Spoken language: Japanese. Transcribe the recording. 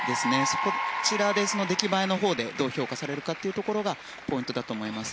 そちらで出来栄えのほうでどう評価されるかがポイントだと思います。